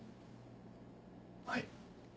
はい。